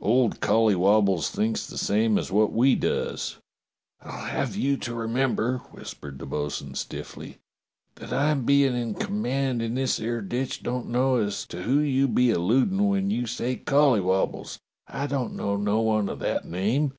"Old Collywobbles thinks the same as wot we does." "I'll have you to remember," whispered the bo'sun stiffly, "that I bein' in command in this 'ere ditch don't know as to who you be alludin' when you say Colly wobbles. I don't know no one of that name."